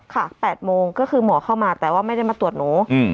๘โมงก็คือหมอเข้ามาแต่ว่าไม่ได้มาตรวจหนู